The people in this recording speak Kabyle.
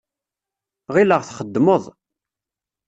Ɣileɣ txeddmeḍ.